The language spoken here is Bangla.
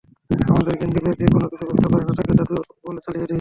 আমাদের জ্ঞান-বিবেক যে কোন কিছু বুঝতে পারে না তাকে জাদু বলে চালিয়ে দেই।